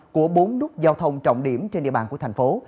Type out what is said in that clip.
của bốn nút giao thông trọng điểm trên địa bàn của thành phố